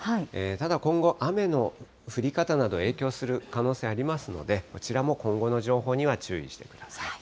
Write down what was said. ただ今後、雨の降り方など、影響する可能性ありますので、こちらも今後の情報には注意してください。